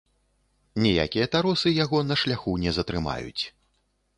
Ніякія таросы яго на шляху не затрымаюць.